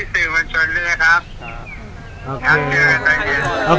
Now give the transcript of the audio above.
พี่เสื้อมันชนด้วยนะคับ